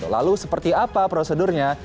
lalu seperti apa prosedurnya